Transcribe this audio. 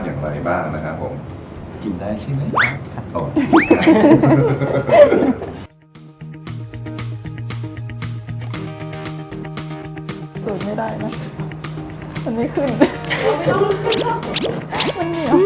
มันเหนียว